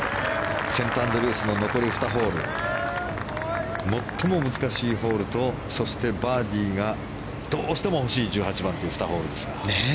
セントアンドリュースの残り２ホール最も難しいホールとそしてバーディーがどうしても欲しい１８番という２ホールですが。